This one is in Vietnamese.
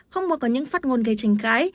không muốn có những phát ngôn gây tranh cãi